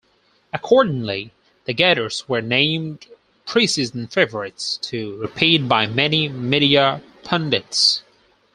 Accordingly, the Gators were named preseason favorites to repeat by many media pundits.